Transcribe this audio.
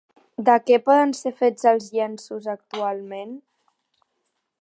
De què poden ser fets els llenços actualment?